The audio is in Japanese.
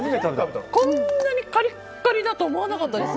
こんなにカリッカリだと思わなかったです。